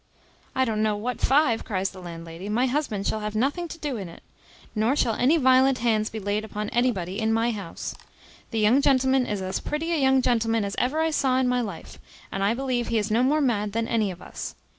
"I don't know what five," cries the landlady, "my husband shall have nothing to do in it. Nor shall any violent hands be laid upon anybody in my house. The young gentleman is as pretty a young gentleman as ever I saw in my life, and I believe he is no more mad than any of us.